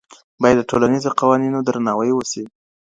باید د ټولنیزو قوانینو درناوی وسي.